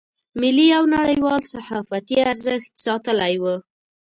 ملي او نړیوال صحافتي ارزښت ساتلی و.